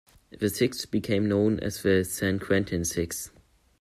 The six became known as the "San Quentin Six".